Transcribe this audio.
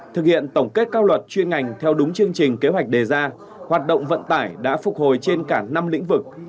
thực hiện tổng kết các luật chuyên ngành theo đúng chương trình kế hoạch đề ra hoạt động vận tải đã phục hồi trên cả năm lĩnh vực